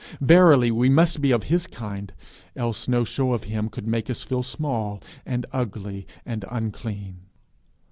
Verily we must be of his kind, else no show of him could make us feel small and ugly and unclean!